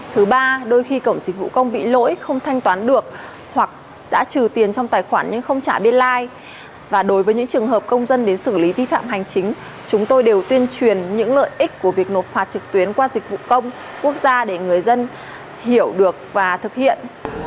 thứ ba đôi khi cổng dịch vụ công bị lỗi không thanh toán được hoặc đã trừ tiền trong tài khoản nhưng không trả biên lai và đối với những trường hợp công dân đến xử lý vi phạm hành chính chúng tôi đều tuyên truyền những lợi ích của việc nộp phạt trực tuyến qua dịch vụ công quốc gia để người dân hiểu được và thực hiện